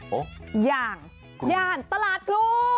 โอ๊ะอย่างอย่างตลาดพลู